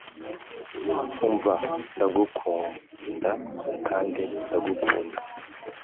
umva ndagukugunda kandi ndagukunda